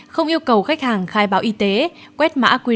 không yêu cầu khách hàng khai báo y tế quét mã qr